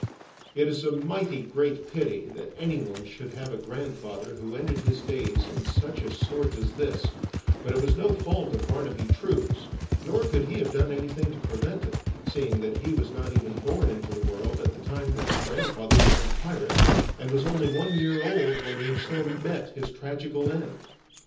It is a mighty great pity that anyone should have a grandfather who ended his days in such a sort as this, but it was no fault of Barnaby True's, nor could he have done anything to prevent it, seeing that he was not even born into the world at the time that his grandfather turned pirate, and was only one year old when he so met his tragical end.